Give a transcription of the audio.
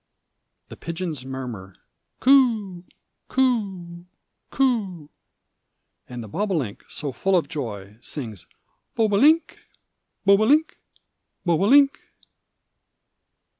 The pigeons murmur "Coo, coo, coo!" And the bobolink, so full of joy, Sings "Bob o' link, bob o' link, bob o' link!"